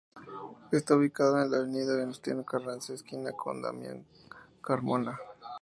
Está ubicado en la avenida Venustiano Carranza esquina con Damian Carmona.